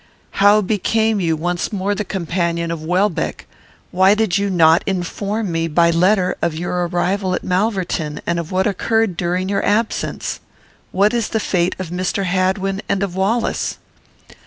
"How became you once more the companion of Welbeck? Why did you not inform me by letter of your arrival at Malverton, and of what occurred during your absence? What is the fate of Mr. Hadwin and of Wallace?"